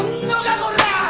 こら！